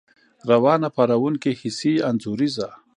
روانه، پارونکې، ، حسي، انځوريزه